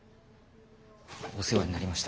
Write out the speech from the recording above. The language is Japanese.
お世話になりました。